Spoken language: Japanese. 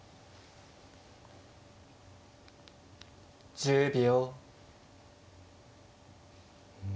１０秒。